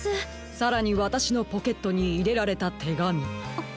さらにわたしのポケットにいれられたてがみ。